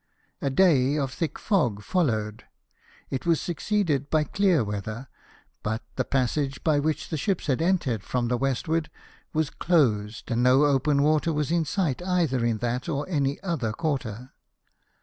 A day of thick fog followed ; it was succeeded by clear weather ; but the passage by which the ships had entered from the westward was closed, and no open water was in sight either in that or any other quarter.